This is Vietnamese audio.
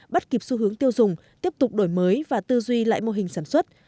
bắt kịp xu hướng tiêu dùng tiếp tục đổi mới và tư duy lại mô hình sản xuất